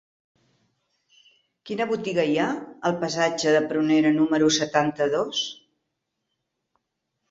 Quina botiga hi ha al passatge de Prunera número setanta-dos?